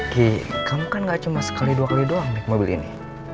ki kamu kan gak cuma sekali dua kali doang naik mobil ini